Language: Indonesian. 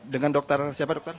dengan dokter siapa dokter